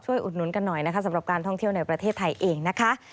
อุดหนุนกันหน่อยนะคะสำหรับการท่องเที่ยวในประเทศไทยเองนะคะ